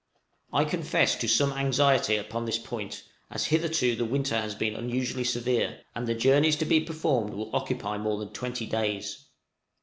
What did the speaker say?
I confess to some anxiety upon this point, as hitherto the winter has been unusually severe, and the journeys to be performed will occupy more than twenty days.